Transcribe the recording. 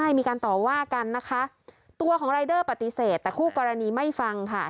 ใช่มีการต่อว่ากันนะคะตัวของรายเดอร์ปฏิเสธแต่คู่กรณีไม่ฟังค่ะ